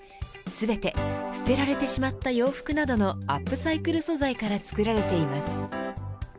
全て捨てられてしまった洋服などのアップサイクル素材から作られています。